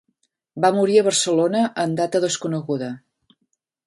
Va morir a Barcelona, en data desconeguda.